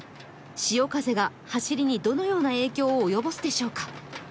潮風が走りにどのような影響を及ぼすでしょうか。